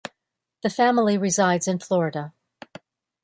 The family resides in Florida.